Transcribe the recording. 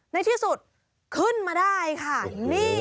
ในที่สุดขึ้นมาได้ค่ะ